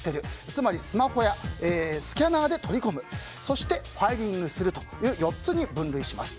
つまりスマホやスキャナーで取り込むそして、ファイリングするという４つに分けます。